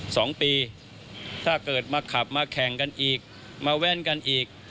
สองปีถ้าเกิดมาขับมาแข่งกันอีกมาแว่นกันอีก